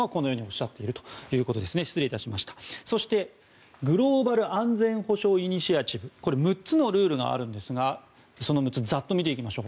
そしてグローバル安全保障イニシアチブ６つのルールがあるんですがその６つを見ていきます。